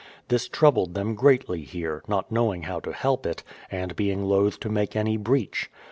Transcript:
This troubled them greatly here, not knowing how to help it, and being loth to make any breach.